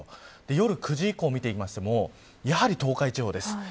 夜９時以降見てもやはり東海地方です。